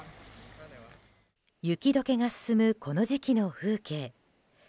雪解けが進むこの時期の風景。